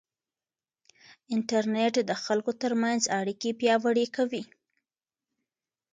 انټرنيټ د خلکو ترمنځ اړیکې پیاوړې کوي.